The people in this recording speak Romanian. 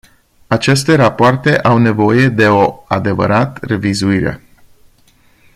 Aceste rapoarte au nevoie de o adevărat revizuire.